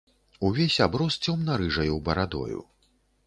Увесь аброс цёмна-рыжаю барадою.